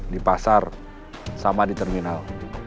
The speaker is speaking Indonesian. di pasar sama di terminal